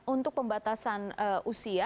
untuk pembatasan usia